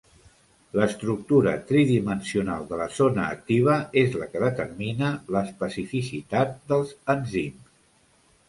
L'estructura tridimensional de la zona activa és la que determina l'especificitat dels enzims.